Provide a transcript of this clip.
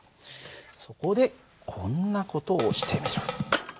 そこでこんな事をしてみる。